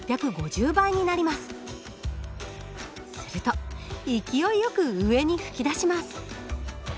すると勢いよく上に噴き出します。